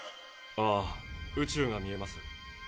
ああ宇宙が見えます。